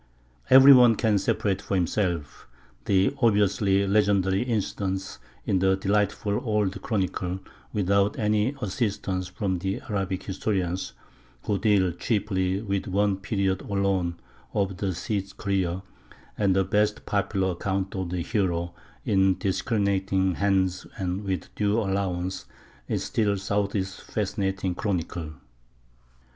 Every one can separate for himself the obviously legendary incidents in the delightful old Chronicle without any assistance from the Arabic historians, who deal chiefly with one period alone of the Cid's career; and the best popular account of the hero, in discriminating hands and with due allowances, is still Southey's fascinating Chronicle.